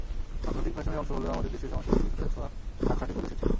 আন্তর্জাতিক ফ্যাশনের অংশ হলেও আমাদের দেশীয় সংস্কৃতির কিছুটা ছেঁায়া কাটছঁাটে চলে এসেছে।